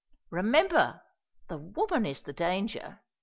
Remember, the woman is the danger.